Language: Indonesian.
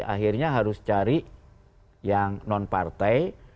akhirnya harus cari yang non partai